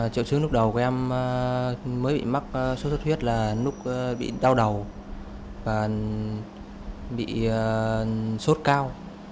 triệu chứng lúc đầu của em mới bị mắc sốt xuất huyết là lúc bị đau đầu và bị sốt cao